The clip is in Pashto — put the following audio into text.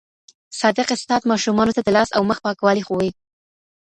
صادق استاد ماشومانو ته د لاس او مخ پاکوالی ښووي.